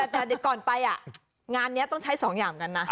แต่ก่อนไปอ่ะงานเนี้ยต้องใช้สองอย่างเหมือนกันนะ